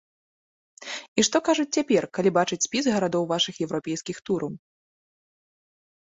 І што кажуць цяпер, калі бачаць спіс гарадоў вашых еўрапейскіх тураў?